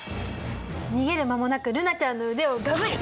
逃げる間もなく瑠菜ちゃんの腕をガブリ！